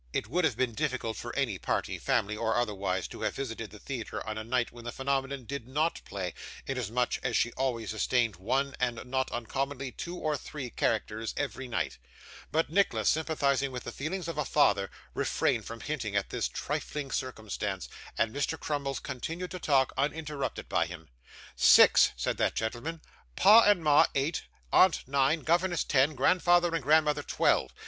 It would have been difficult for any party, family, or otherwise, to have visited the theatre on a night when the phenomenon did NOT play, inasmuch as she always sustained one, and not uncommonly two or three, characters, every night; but Nicholas, sympathising with the feelings of a father, refrained from hinting at this trifling circumstance, and Mr Crummles continued to talk, uninterrupted by him. 'Six,' said that gentleman; 'pa and ma eight, aunt nine, governess ten, grandfather and grandmother twelve.